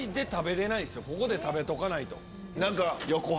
ここで食べとかないと。